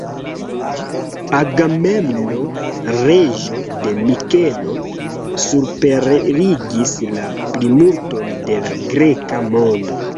Agamemno, reĝo de Mikeno, superregis la plimulton de la greka mondo.